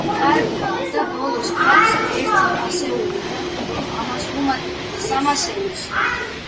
კარგი, და ბოლოს, გვაქვს ერთი ასეული და კიდევ ამას ვუმატებთ სამ ასეულს.